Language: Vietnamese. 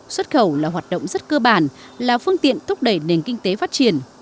xuất khẩu là hoạt động rất cơ bản là phương tiện thúc đẩy nền kinh tế phát triển